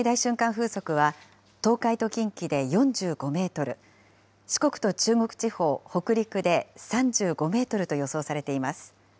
風速は、東海と近畿で４５メートル、四国と中国地方、北陸で３５メートルと予想されています。